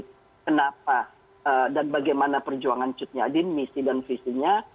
tapi kenapa dan bagaimana perjuangan cut nyadin misi dan visinya